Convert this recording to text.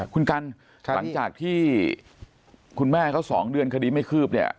คุณกันหลังจากที่คุณแม่เขา๒เดือนคดีไม่คืบเนี่ย